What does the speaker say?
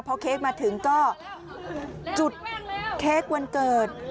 พอเค้กมาถึงก็จุดเค้กวันเกิด